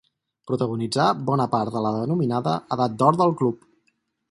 Protagonitzà bona part de la denominada Edat d'Or del club.